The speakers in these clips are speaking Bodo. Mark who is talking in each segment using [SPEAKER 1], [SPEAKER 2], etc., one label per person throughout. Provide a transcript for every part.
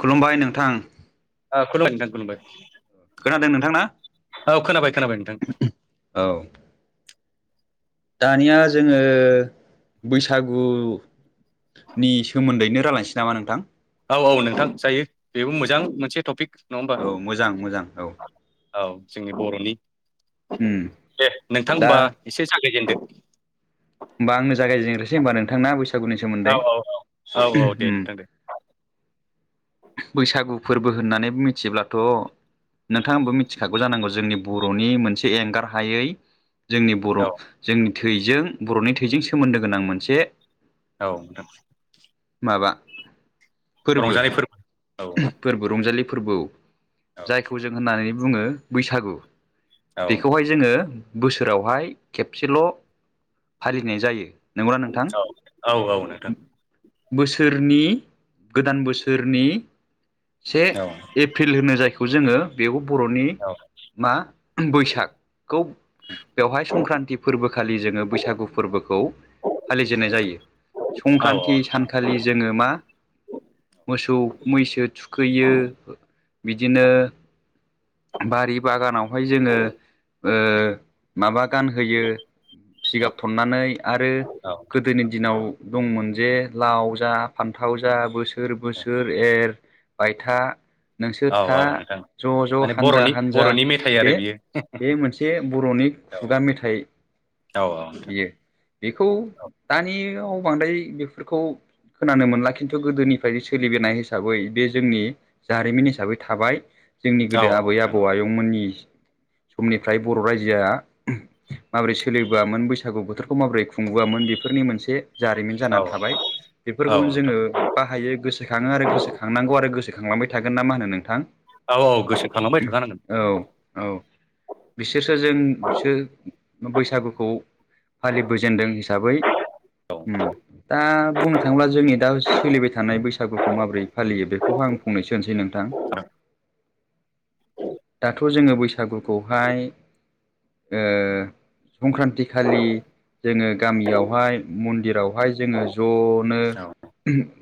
[SPEAKER 1] खुलुमबाय नोंथां।
[SPEAKER 2] ओ खुलुमबाय नोथां खुलुमबाय
[SPEAKER 1] खोनादों नोंथां ना?
[SPEAKER 2] औ खोनाबाय खोनाबाय नोंथां
[SPEAKER 1] औ दानिया जोङो बैसागु नि सोमोन्दैनो रायलायसै नामा नोंथां?
[SPEAKER 2] औ औ नोंथां जायो बेबो मोजां मोनसे टपिक नङा होमबा
[SPEAKER 1] औ मोजां मोजां औ
[SPEAKER 2] औ जोंनि बर'नि
[SPEAKER 1] उम
[SPEAKER 2] दे नोंथां
[SPEAKER 1] दा
[SPEAKER 2] होमबा एसे जागायजेनदो।
[SPEAKER 1] होमबा आंनो जागायजेनग्रोसै होमबा नोंथांना बैसागुनि सोमोन्दै
[SPEAKER 2] औ औ औ दे
[SPEAKER 1] उम
[SPEAKER 2] नोंथां दे
[SPEAKER 1] बैसागु फोरबो होननानै मिथिब्लाथ' नोंथाङाबो मिथिखागौ जानांगौ जोंनि बर'नि मोनसे एंगार हायै जोंनि बर'
[SPEAKER 2] औ
[SPEAKER 1] जोंनि थैजों बर'नि थैजों सोमोन्दो गोनां मोनसे
[SPEAKER 2] औ नोंथां
[SPEAKER 1] माबा फोरबो।
[SPEAKER 2] रंजानाय औ
[SPEAKER 1] फोरबो रंजालि फोरबो जायखौ जों होननानै बुङो बैसागु
[SPEAKER 2] औ
[SPEAKER 1] बेखौहाय जोङो बोसोरावहाय खेबसेल' फालिनाय जायो नंगौना नोंथां
[SPEAKER 2] औ औ नोंथां
[SPEAKER 1] बोसोरनि गोदान बोसोरनि से
[SPEAKER 2] औ
[SPEAKER 1] एप्रिल होनो जायखौ जोङो बेयाव बर'नि
[SPEAKER 2] नोंथां
[SPEAKER 1] मा बैसागखौ बेवहाय संक्रान्ति फोरबोखालि जोङो बैसागु फोरबोखौ फालिजेननाय जायो संक्रान्ति सानखालि जोङो मा मोसौ मैसो थुखैयो बिदिनो बारि बागानावहाय जोङो ओ माबा गानहोयो थनानै आरो गोदोनि दिनाव दंमोन जे लाव जा फान्थाव जा बोस बोसोर बोसोर एर बायथा। नोंसोर
[SPEAKER 2] औ
[SPEAKER 1] था
[SPEAKER 2] औ नोंथां
[SPEAKER 1] ज-ज'
[SPEAKER 2] माने
[SPEAKER 1] हानजा
[SPEAKER 2] बर'नि
[SPEAKER 1] हानजा
[SPEAKER 2] बर'नि मेथाइ
[SPEAKER 1] बे
[SPEAKER 2] आरो बियो
[SPEAKER 1] बे मोनसे बर'नि
[SPEAKER 2] औ
[SPEAKER 1] खुगा मेथाइ
[SPEAKER 2] औ नोंथां
[SPEAKER 1] बियो बेखौ दानियाव बांद्राय बेफोरखौ खोनानो मोनला खिन्थु गोदोनिफ्राय सोलिबोनाय हिसाबै बे जोंनि जारिमिन हिसाबै थाबाय जोंनि
[SPEAKER 2] औ
[SPEAKER 1] गोदो
[SPEAKER 2] औ
[SPEAKER 1] आबै आबौ अ आयंमोननि समनिफ्राय बर' रायजोआ माबोरै सोलिबोआमोन बै बैसागु बोथोरखौ माबोरै खुंबोआमोन बेफोरनि मोनसे जारिमिन
[SPEAKER 2] नोंथां औ
[SPEAKER 1] जानानै थाबाय
[SPEAKER 2] औ
[SPEAKER 1] बेफोरखौनो
[SPEAKER 2] नोंथां
[SPEAKER 1] जोङो बाहायो गोसोखाङो आरो गोसोखांनांगौ आरो गोसोखांलांबाय थागोन ना मा होनो नोंथां?
[SPEAKER 2] औ औ गोसोखांबाय थाखानांगोन।
[SPEAKER 1] औ औ बिसोरसो जों सो बैसागुखौ फालिबोजेनदों हिसाबै
[SPEAKER 2] औ
[SPEAKER 1] उम दा बुं थांब्ला जोंनि दा सोलिबाय थानाय बैसागुखौ माबोरै फालियो बेखौबो आं फंनैसो बुंनोसै आरो नोंथां? दाथ' जोङो बैसागुखौहाय ओ संक्रान्ति खालि जोङो गामियावहाय मन्दिरावहाय जोङो ज' नो
[SPEAKER 2] औ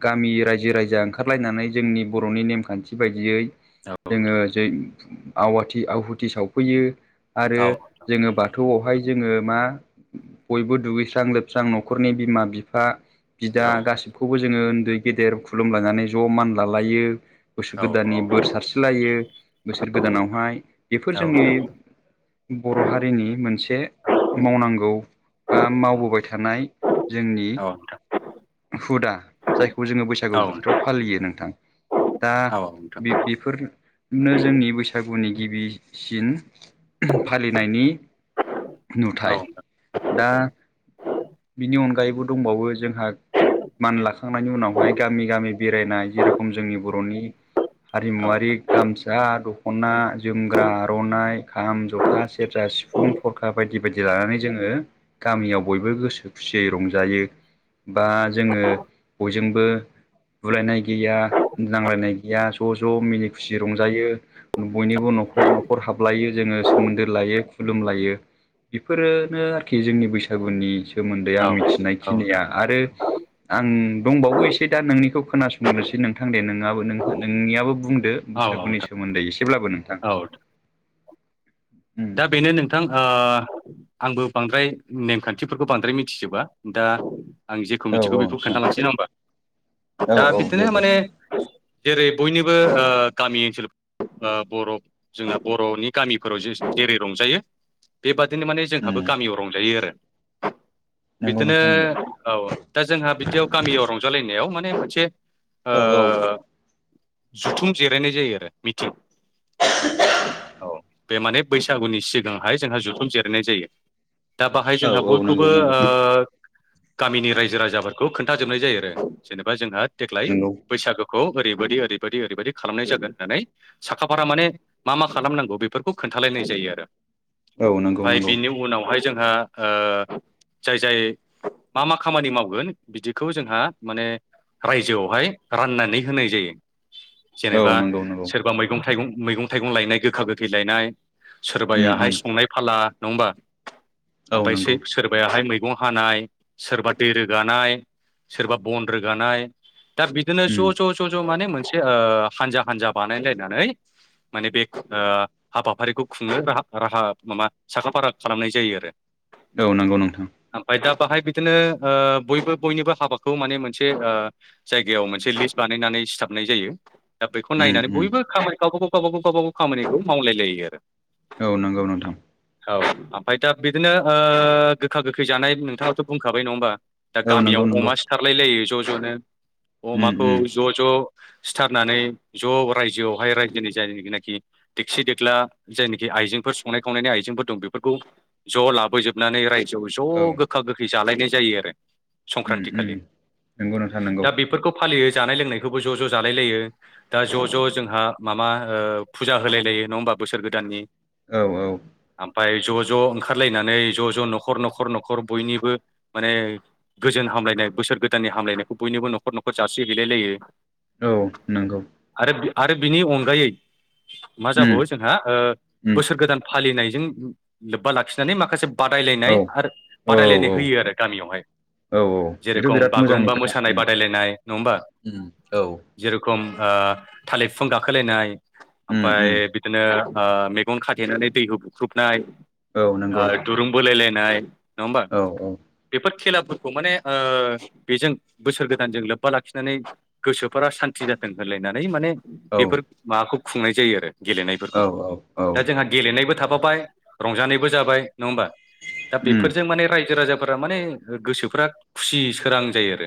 [SPEAKER 1] गामि रायजो राजा ओंखारलायनानै जोंनि बर'नि नेमखान्थि बायदियै जोङो
[SPEAKER 2] नोंथां
[SPEAKER 1] जै आवाथि आहुथि सावफैयो
[SPEAKER 2] औ
[SPEAKER 1] आरो जोङो बाथौआवहाय जोङो मा बयबो दुगैस्रां लोबस्रां न'खरनि बिमा बिफा
[SPEAKER 2] औ नोंथां औ नोंथां औ
[SPEAKER 1] बिदा गासै खौबो जोङो उन्दै गेदेर खुलुमलायनानै ज' मान लालायो बोसोर गोदाननि बोर सारस्रिलायो बोसोर गोदानावहाय बेफोर जोंनि बर' हारिनि मोनसे मावनां गौ बा मावबोबाय थानाय जोंनि हुदा जायखौ जोङो बै बैसागु बोथोराव फालियो नोंथां दा बे बेफोर नो जोंनि बैसागुनि गिबिसिन फालिनायनि नुथाय दा बिनि अनगायैबो दंबावो जोंहा मान लाखांनायनि उनावहाय गामि गामि बेरायनाय जेरखम जोंनि बर'नि हारिमुवारि गामसा दख'ना जोमग्रा आर'नाइ खाम जथा सेरजा सिफुं सिफुं खफरखा बायदि बायदि लानानै जोङो गामियाव बयबो गोसो खुसियै रंजायो बा जोङो बयजोंबो बुलायनाय गैया नांलायनाय गैया ज'-ज' मिनि खुसि रंजायो बयनिबो न'खर न'खर हाबलायो जोङो सोमोन्दो लायो खुलुमलायो बेफोरो नो आरोखि जोंनि बैसागुनि सोमोन्दै आं मिथिनाय खिनिया आरो आं दंबावो एसे दा नोंनिखौ खोनासंग्रोनोसै नोंथां दे नोंआबो नोंहा नोंनियाबो बुंदो
[SPEAKER 2] औ
[SPEAKER 1] बैसागुनि
[SPEAKER 2] नोंथां
[SPEAKER 1] सोमोन्दै एसेब्लाबो नोंथां
[SPEAKER 2] औ
[SPEAKER 1] उम
[SPEAKER 2] दा बेनो नोंथां आ आंबो बांद्राय नेमखान्थिफोरखौ बांद्राय मिथिजोबा दा आं जेखौ
[SPEAKER 1] औ
[SPEAKER 2] कमिटिखौ
[SPEAKER 1] औ
[SPEAKER 2] बेखौ
[SPEAKER 1] नोंथां
[SPEAKER 2] खोन्थालांसै ना होमबा
[SPEAKER 1] औ
[SPEAKER 2] दा
[SPEAKER 1] औ दे
[SPEAKER 2] बिदिनो
[SPEAKER 1] दे
[SPEAKER 2] माने। जेरै बयनिबो ओ गामि ओनसोल ओ बर'। जोंना बर'नि गामिफोराव जे। जेरै रंजायो बेबादिनो माने
[SPEAKER 1] उम
[SPEAKER 2] जोंहाबो गामियाव रंजायो आरो।
[SPEAKER 1] नंगौ
[SPEAKER 2] बिदिनो
[SPEAKER 1] नोंथां नंगौ
[SPEAKER 2] औ दा जोंहा बिदियाव गामियाव रंजालायनायाव माने मोनसे।
[SPEAKER 1] औ औ।
[SPEAKER 2] ओ जुथुम जिरायनाय जायो आरो मिथि औ बे माने। बैसागुनि सिगांहाय जोंहा जथुम जिरनाय जायो दा बाहाय
[SPEAKER 1] औ
[SPEAKER 2] जोंहा
[SPEAKER 1] औ नंगौ
[SPEAKER 2] बयखौबो
[SPEAKER 1] नंगौ
[SPEAKER 2] ओ। गामिनि रायजो राजाफोरखौ खोन्थाजोबनाय जायो आरो जेनेबा जोंहा देग्लाय
[SPEAKER 1] नंगौ
[SPEAKER 2] बैसागो। ओरैबायदि ओरैबायाददि ओरैबायदि खालामनाय जागोन होननानै। साखाफारा माने मा मा खालामनांगौ बेफोरखौ खोन्थालायनाय जायो आरो।
[SPEAKER 1] औ नंगौ
[SPEAKER 2] ओमफफ्राय
[SPEAKER 1] नंगौ
[SPEAKER 2] बिनि उनावहाय जोंहा ओ जाय जाय। मा मा खामानि मावगोन बिदिखौ जोंहा माने। रायजोआवहाय राननानै होनाय जायो। जेनेबा
[SPEAKER 1] औ नंगौ नंगौ
[SPEAKER 2] सोरबा मैगं थाइगं मैगं थाइगं लायनाय गोखा गोखै लायनाय।
[SPEAKER 1] उम
[SPEAKER 2] सोरबायाहाय
[SPEAKER 1] उम
[SPEAKER 2] संनाय फाला नङा होमबा
[SPEAKER 1] औ नंगौ
[SPEAKER 2] ओमफ्रायसै सोरबायाहाय मै मैगं हानाय सोरबा दै रोगानाय सोरबा बन रोगानाय। दा बिदिनो
[SPEAKER 1] उम
[SPEAKER 2] ज' ज' ज' ज' माने मोनसे ओ हानजा हानजा बानायलायनानै। माने बे ओ हाबाफारिखौ। खुंनो [unintelligible] माबा साखा फारा खालामनाय जायो आरो।
[SPEAKER 1] औ नंगौ नोंथां।
[SPEAKER 2] ओमफफ्राय दा बाहाय बिदिनो हो बयबो बयनिबो हाबाखौ माने मोनसे ओ जायगायाव मोनसे लिस्ट बानायनानै सिथाबनाय जायो। दा बेखौ
[SPEAKER 1] उम
[SPEAKER 2] नायनानै
[SPEAKER 1] उम
[SPEAKER 2] बयबो खामाय गावबागाव गावबागाव गावबागाव खामानिखौ मावलाय लायो आरो
[SPEAKER 1] औ नंगौ नोंथां।
[SPEAKER 2] औ ओमफ्राय दा बिदिनो ओ गोखा गोखै जानाय नोंथाङाथ' बुंखाबाय नङा होमबा? दा
[SPEAKER 1] औ नंगौ
[SPEAKER 2] गामियाव
[SPEAKER 1] नंगौ
[SPEAKER 2] अमा सिथारलाय लायो ज' ज'नो
[SPEAKER 1] उम
[SPEAKER 2] अमाखौ
[SPEAKER 1] उम
[SPEAKER 2] ज' ज' सिथारनानै ज' रायजोआवहाय रायजोनि जायगोनाखि दिकसि देग्ला जायनाखि आइजेंफोर संनाय खावनायनि आइजेंफोर दं बेफोरखौ ज' लाबोजोबनानै रायजोआव ज'
[SPEAKER 1] औ
[SPEAKER 2] गो गोखा गोखै जालायनाय जायो आरो
[SPEAKER 1] उम
[SPEAKER 2] संक्रान्त
[SPEAKER 1] उम
[SPEAKER 2] खालि
[SPEAKER 1] नंगौ नोंथां नंगौ
[SPEAKER 2] दा बेफोरखौ फालियो जानाय लोंनायखौबो ज' ज' जालाय लायो। दा ज' ज' जोंहा माबा ओ फुजा होलाय लायो नङा होमबा बोसोर गोदाननि।
[SPEAKER 1] औ औ।
[SPEAKER 2] आमफाय ज' ज' ओंखारलायनानै ज' ज' न'खर न'खर न'खर बयनिबो माने गोजोन हामलायनाय बोसोर गोदाननि हामलायनायखौ बयनोबो न'खर न'खर जासिहैलाय लायो।
[SPEAKER 1] औ नंगौ।
[SPEAKER 2] आरो [unintelligible] आरो बिनि अनगायै मा
[SPEAKER 1] उम
[SPEAKER 2] जाबावो जोंहा ओ
[SPEAKER 1] उम
[SPEAKER 2] बोसोर गोदान फालिनायजों लोब्बा लाखिनानै माखासे
[SPEAKER 1] औ
[SPEAKER 2] बादायलायनाय आरो
[SPEAKER 1] औ
[SPEAKER 2] बादायलायनाय
[SPEAKER 1] औ
[SPEAKER 2] होयो आरो गामियावहाय।
[SPEAKER 1] औ बेथ'
[SPEAKER 2] जेरखम
[SPEAKER 1] बिराद मोजांनि
[SPEAKER 2] बागुरुम्बा
[SPEAKER 1] खोथा
[SPEAKER 2] मोसानाय
[SPEAKER 1] उम
[SPEAKER 2] बादायलायनाय नङ हमबा?
[SPEAKER 1] उम औ
[SPEAKER 2] जेरखम ओ थालिर फिफां गाखोलायनाय
[SPEAKER 1] उम
[SPEAKER 2] आमफाय
[SPEAKER 1] उम
[SPEAKER 2] नो ओ मेगन खाथेनानै दैहु बुख्रुबनाय
[SPEAKER 1] औ नोंगौ।
[SPEAKER 2] दुरूंबोलाय लायनाय नङा होमबा?
[SPEAKER 1] औ
[SPEAKER 2] बेफोर खेलाफोरखौ माने ओ बेजों बोसोर गोदानजों लोब्बा लाखिनानै गोसोफोरा सान्ति जाथों होनलायनानै माने
[SPEAKER 1] औ
[SPEAKER 2] बेफोर माबाखौ खुंनाय जायो आरो गेलेनायफोरखौ
[SPEAKER 1] औ औ
[SPEAKER 2] दा जोंहा गेलेनायबो थाफाबाय रंजानायबो जाबाय नङा होमबा? दा
[SPEAKER 1] उम
[SPEAKER 2] बेफोरजों माने रायजो राजा फोरा माने गोसोफ्रा खुसि सोरां जायो आरो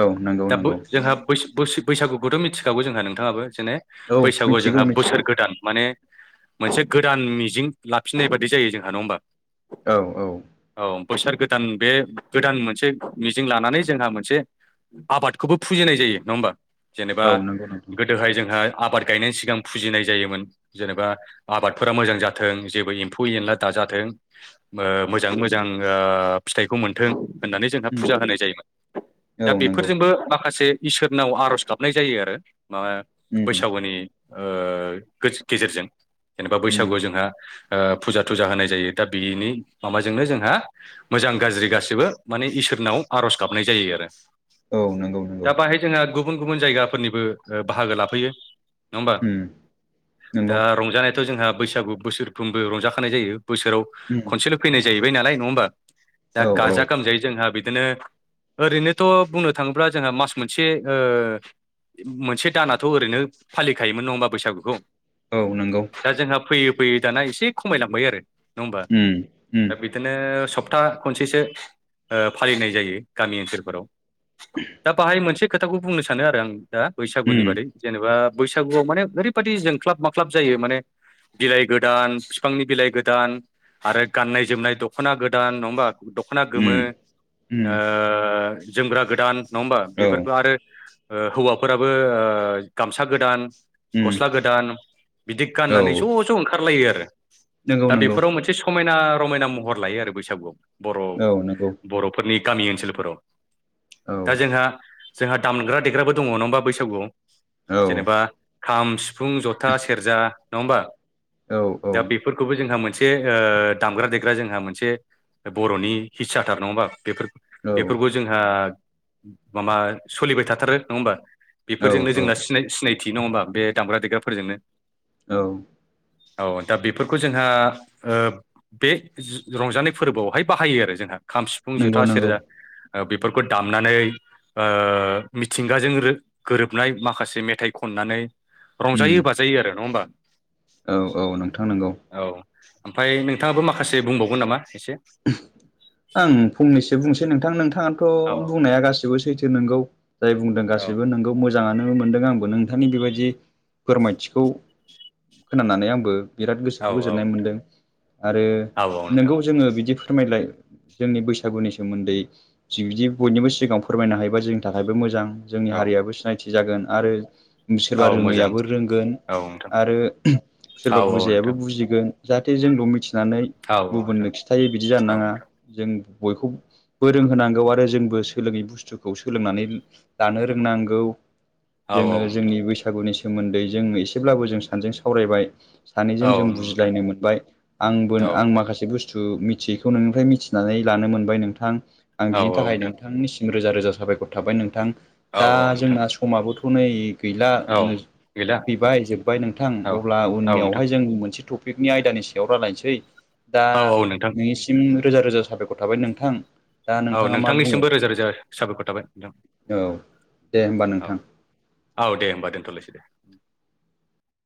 [SPEAKER 1] औ नंगौ
[SPEAKER 2] दा बै
[SPEAKER 1] नंगौ
[SPEAKER 2] जोंहा बैस बैस बैसागुखौथ' मिथिखागौ जोंहा नोंथाङाबो जेने
[SPEAKER 1] औ
[SPEAKER 2] बैसागु
[SPEAKER 1] मिथिगौ
[SPEAKER 2] जोंहा
[SPEAKER 1] मिथिगौ
[SPEAKER 2] दान माने मोनसे गोदान मिजिं लाफिननाय बादि जायो जोंहा नङा होमबा?
[SPEAKER 1] औ औ।
[SPEAKER 2] औ बोसोर गोदान बे गोदान मोनसे मिजिं लानानै जोंहा मोनसे आबादखौबो फुजिनाय जायो नङा होमबा? जेनेबा
[SPEAKER 1] औ नंगौ नंगौ
[SPEAKER 2] गोदोहाय जोंहा आबाद गोयनि सिगां फुजिनाय जायोमोन जेनेबा आबादफोरा मोजां जाथों जेबो एम्फौ
[SPEAKER 1] उम
[SPEAKER 2] एनला दाजाथों मो मोजाङै मोजां ओ फिथाइखौ मोनथों होननानै जोंहा
[SPEAKER 1] उम
[SPEAKER 2] फुजा होनाय जायोमोन। दा
[SPEAKER 1] औ नंगौ
[SPEAKER 2] बेफोरजोंबो माखासे इसोरनाव आर'ज गाबनाय जायो आरो माबा
[SPEAKER 1] उम
[SPEAKER 2] बैसागुनि ओ गोस गेजेरजों जेनेबा
[SPEAKER 1] उम
[SPEAKER 2] बैसागुआव जोंहा ओ फुजा थुजा होनाय जायो दा बिनि माबाजोंनो जोंहा मोजां गाज्रि गासैबो माने इसोरनाव आर'ज गाबनाय जायो आरो।
[SPEAKER 1] औ नंगौ नंगौ।
[SPEAKER 2] जोङो गुबुन गुबुन जायगाफोरनिबो ओ बाहागो लाफैयो। नङा होमबा
[SPEAKER 1] उम नंगौ
[SPEAKER 2] दा रंजानायाथ' जोंहा बैसागु बोसोरफ्रोमबो रंजाखानाय जायो बोसोराव
[SPEAKER 1] उम
[SPEAKER 2] खनसेल' फैनाय जाहैबाय नालाय नङा होमबा
[SPEAKER 1] औ
[SPEAKER 2] दा
[SPEAKER 1] औ
[SPEAKER 2] गाजा गोमजायै जोंहा बिदिनो ओरैनोथ' बुंनो थाङोब्ला जोंहा मास मोनसे ओ मोनसे दानाथ' ओरैनो फालिखायोमोन नङा होमबा बैसागुखौ?
[SPEAKER 1] औ नोंगौ
[SPEAKER 2] दा जोंहा फैयै फैयै दाना एसे खमायलांबाय आरो नङा होमबा।
[SPEAKER 1] उम उम
[SPEAKER 2] दा बिदिनो सप्ता खनसेसो ओ फालिनाय जायो गामि ओनसोलफोराव दा बाहाय मोनसे खोथाखौ बुंनो सानो आरो आं दा बैसागुनि
[SPEAKER 1] उम
[SPEAKER 2] बादै जेनेबा बैसागुआव माने ओरैबायदि जोंख्लाब माख्लाब जायो माने बिलाइ गोदान बिफांनि बिलाइ गोदान आरो गाननाय जोमनाय दख'ना गोदान नङा होमबा। दख'ना गोमो
[SPEAKER 1] उम उम
[SPEAKER 2] ओ जोमग्रा गोदान नङा होमबा
[SPEAKER 1] औ
[SPEAKER 2] बेफोरखौ आरो हौवाफोराबो ओ गामसा गोदान
[SPEAKER 1] उम
[SPEAKER 2] गस्ला गोदान बिदि
[SPEAKER 1] औ
[SPEAKER 2] गाननानै ज' ज' ओंखारलायो आरो
[SPEAKER 1] नंगौ
[SPEAKER 2] दा
[SPEAKER 1] नंगौ
[SPEAKER 2] बेफोराव मोनसे स मायना रमायना महर लायो आरो बैसागुआव बर'
[SPEAKER 1] औ नंगौ
[SPEAKER 2] बर' फोरनि गामि ओनसोलफोराव
[SPEAKER 1] औ
[SPEAKER 2] दा जोंहा जोंहा दामग्रा देग्राबो दङ नङा होनबा बैसागुआव
[SPEAKER 1] औ
[SPEAKER 2] जेनेबा खाम सिफुं जथा सेरजा नङा होमबा
[SPEAKER 1] औ औ
[SPEAKER 2] फोरखौबो जोंहा मोनसे ओ दामग्रा देग्रा जोंहा मोनसे बर'नि हिस्साथार नङा होमबा बेफोर
[SPEAKER 1] औ
[SPEAKER 2] बेफोरखौ जोंहा माबा सोलिबाय थाथारो नङा होमबा?
[SPEAKER 1] औ
[SPEAKER 2] बेफोरजोंनो
[SPEAKER 1] औ
[SPEAKER 2] जोंना सिनाय सिनायथि नङा होमबा बे दामग्रा देग्राफोरजोंनो
[SPEAKER 1] औ
[SPEAKER 2] औ दा बेफोरखौ जोंहा ओब बे रंजानाय फोरबोआवहाय बाहायो आरो जोंहा खाम सिफुं
[SPEAKER 1] नंगौ
[SPEAKER 2] जोथा
[SPEAKER 1] नंगौ
[SPEAKER 2] सेरजा ओ बेफोरखौ दामनानै ओ मिथिंगाजों रो- गोरोबनाय मा खासे मेथाइ खननानै
[SPEAKER 1] उम
[SPEAKER 2] रंजायो बाजायो आरो नङा होमबा।
[SPEAKER 1] औ औ नोंथां नोंगौ
[SPEAKER 2] औ ओमफाय नोंथाङाबो माखासे बुंबावगोन नामा एसे?
[SPEAKER 1] आं फंनैसो बुंसै नोंथां नोंथाङा थ'
[SPEAKER 2] औ
[SPEAKER 1] बुंनाया गासिबो सैथो नोंगौ जाय बुंदों
[SPEAKER 2] औ
[SPEAKER 1] गासिबो नोंगौ मोजां मोजाङानो मोनदों आंबो नोंथांनि बेबायदि फोरमायथिखौ खोनानानै आंबो बिराद
[SPEAKER 2] औ
[SPEAKER 1] गोसोखौ मोनदों आरो
[SPEAKER 2] औ औ नोंथां
[SPEAKER 1] नोंगौ जोङो बिदि फोरमायलाय जोंनि बैसागुनि सोमोन्दै बिदि बयनिबो सिगाङाव फोरमायनो हायोबा जोंनि थाखायबो मोजां। जोंनि
[SPEAKER 2] औ
[SPEAKER 1] हारियाबो सिनायथि जागोन आरो सोरबा
[SPEAKER 2] औ मोजां
[SPEAKER 1] रोङैयाबो रोंगोन
[SPEAKER 2] औ नोंथां
[SPEAKER 1] आरो
[SPEAKER 2] औ
[SPEAKER 1] सोरबा
[SPEAKER 2] औ
[SPEAKER 1] बुजायाबो
[SPEAKER 2] नोंथां
[SPEAKER 1] बुजिगोन। जाहाथे जोंल' मिथिनानै
[SPEAKER 2] [unintelligible]
[SPEAKER 1] दायो बिदि जानो
[SPEAKER 2] औ
[SPEAKER 1] नाङा जों बयखौबो फोरों होनांगौ आरो जोंबो सोलोङै बुस्थुखौ सोलोंनानै लानो रोंनांगौ।
[SPEAKER 2] औ
[SPEAKER 1] जोङो
[SPEAKER 2] औ
[SPEAKER 1] जोंनि बैसागुनि सोमोन्दै जों एसेब्लाबो जों सानैजों सावरायबाय।
[SPEAKER 2] औ
[SPEAKER 1] सानैजों जों
[SPEAKER 2] नोंथां
[SPEAKER 1] बुजिलायनो मोनबाय आंबो
[SPEAKER 2] औ
[SPEAKER 1] आं
[SPEAKER 2] नोंथां
[SPEAKER 1] माखासे बुस्थु थु मिथियैखौ नोंनिफ्राय मिथिनानै लानो मोनबाय नोंथां आं
[SPEAKER 2] औ
[SPEAKER 1] बिनि
[SPEAKER 2] औ
[SPEAKER 1] थाखाय
[SPEAKER 2] नोंथां
[SPEAKER 1] नोंथांनिसिम रोजा रोजा साबायखर थाबाय नोंथां
[SPEAKER 2] औ
[SPEAKER 1] दा
[SPEAKER 2] नोंथां
[SPEAKER 1] जोंना समाबोथ' नै गैला
[SPEAKER 2] औ
[SPEAKER 1] नोंस
[SPEAKER 2] गैला
[SPEAKER 1] फैबाय जोब्बाय नोंथां
[SPEAKER 2] औ
[SPEAKER 1] अब्ला
[SPEAKER 2] नोंथां
[SPEAKER 1] उननियावहाय जों मोनसे टप टपिकनि आयदानि सायाव रायलायनोसै दा
[SPEAKER 2] औ औ नोंथां
[SPEAKER 1] नोंनिसिम रोजा रोजा साबायखर थाबाय नोंथां। दा
[SPEAKER 2] औ
[SPEAKER 1] नोंथाङा मा बुङो
[SPEAKER 2] नोंथांनिसिमबो रोजा रोजा साबायखर थाबाय
[SPEAKER 1] औ दे होमबा
[SPEAKER 2] नोंथां
[SPEAKER 1] नोंथां
[SPEAKER 2] औ औ दे होमबा दोनथ'लायसै दे